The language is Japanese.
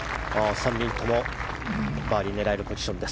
３人ともバーディーを狙えるポジションです。